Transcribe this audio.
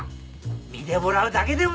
見でもらうだけでも。